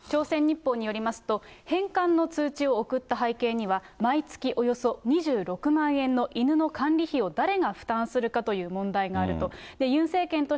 そうなんです、朝鮮日報によりますと、返還の通知を送った背景には、毎月およそ２６万円の犬の管理費を誰が負担するかという問題があると。